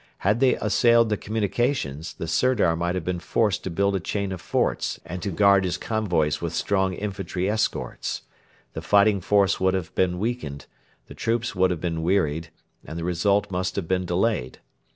Had they assailed the communications, the Sirdar might have been forced to build a chain of forts and to guard his convoys with strong infantry escorts. The fighting force would have been weakened, the troops have been wearied, and the result must have been delayed.